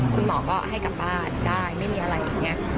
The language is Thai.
คุณหมอก็ให้กลับบ้านได้ไม่มีอะไรอย่างนี้